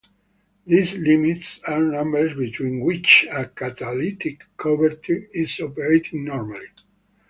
These limits are numbers between which a catalytic converter is operating normally.